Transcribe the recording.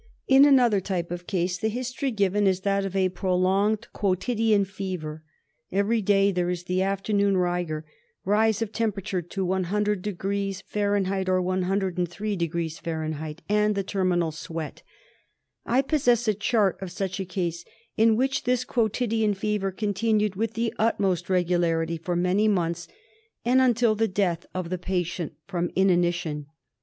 In another type of case the history given is that of ai prolonged quotidian fever. Every day there is the after ! noon rigor, rise of temperature to 102^ Fahr. or 103° Fahr. and the terminal sweat. I possess a chart of such a case in which this quotidian fever continued with the utmost regularity for many months, and until the death of the patient from inanition.